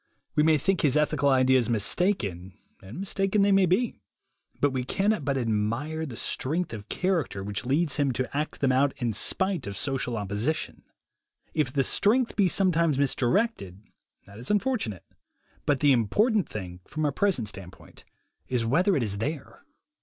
We may think his ethical ideas mistaken, and mistaken they may be; but we cannot but admire the strength of character which leads him to act them out in spite of social opposition. If the strength be sometimes mis directed, that is unfortunate; but the important thing, from our present standpoint, is whether it is there.